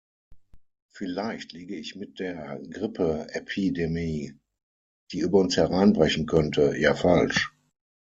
Vielleicht liege ich mit der Grippeepidemie, die über uns hereinbrechen könnte, ja falsch.